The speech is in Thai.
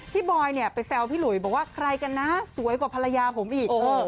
บอยเนี่ยไปแซวพี่หลุยบอกว่าใครกันนะสวยกว่าภรรยาผมอีก